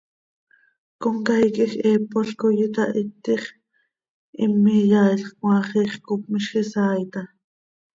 Comcaii quij heepol coi itahitix, him iyaailx, cmaax ix cop miizj isaai taa.